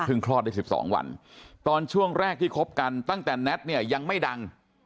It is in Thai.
คลอดได้๑๒วันตอนช่วงแรกที่คบกันตั้งแต่แน็ตเนี่ยยังไม่ดัง